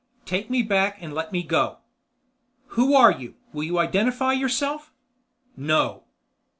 "Take me back and let me go." "Who are you? Will you identify yourself?" "No."